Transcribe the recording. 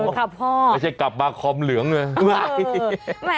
ค่ะพ่อไม่ใช่กลับมาคอมเหลืองเลย